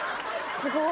すごい。